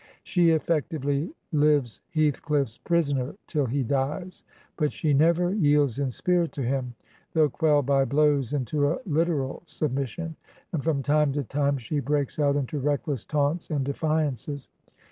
She effectively lives Heathcliff's prisoner till he dies, but she never yields in spirit to him, though quelled by blows into a Uteral submission; and from time to time she breaks out into reckless taunts and de j&ances.